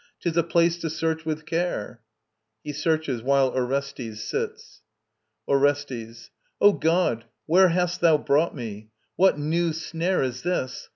'Tis a place to search with care [He searches, while ORESTES sits.] ORESTES. O God, where hast thou brought me? What new snare Is this?